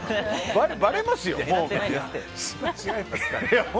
ばれますよ。